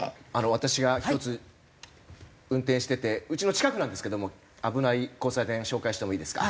私が一つ運転しててうちの近くなんですけども危ない交差点紹介してもいいですか？